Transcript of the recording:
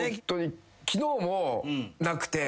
昨日もなくて。